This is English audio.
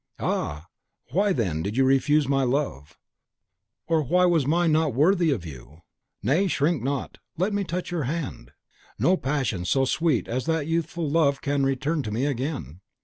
Ah, why then did you refuse my love; or why was mine not worthy of you? Nay, shrink not! let me touch your hand. No passion so sweet as that youthful love can return to me again.